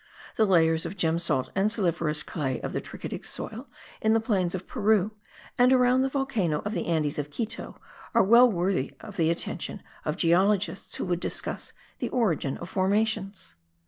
the layers of gem salt and saliferous clay of the trachytic soil in the plains of Peru and around the volcano of the Andes of Quito are well worthy the attention of geologists who would discuss the origin of formations.